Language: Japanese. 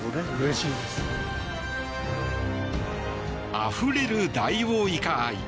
あふれるダイオウイカ愛。